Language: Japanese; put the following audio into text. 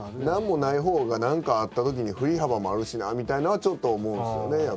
何もない方が何かあった時に振り幅もあるしなみたいなのはちょっと思うんですよね